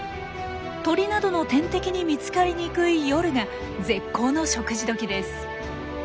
鳥などの天敵に見つかりにくい夜が絶好の食事どきです。